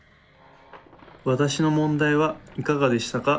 私の問題はいかがでしたか？